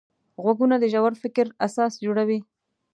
غوږونه د ژور فکر اساس جوړوي